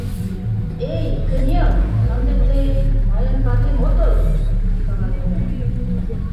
— Эй, кынел, ынде тый мыйын ватем отыл! — тӱкала Вӧдыр.